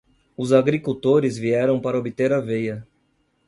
Os agricultores vieram para obter aveia.